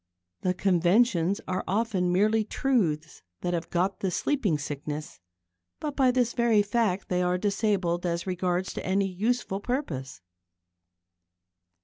The conventions are often merely truths that have got the sleeping sickness; but by this very fact they are disabled as regards any useful purpose.